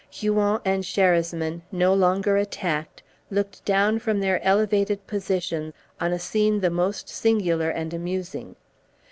Huon and Sherasmin, no longer attacked, looked down from their elevated position on a scene the most singular and amusing.